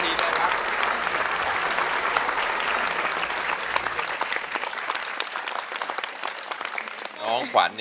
ขอเสียงปบมือเป็นกำลังใจ